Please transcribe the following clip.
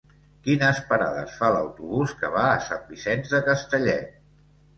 Quines parades fa l'autobús que va a Sant Vicenç de Castellet?